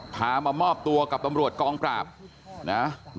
พามามอบตัวกับตำรวจกองปราบนะ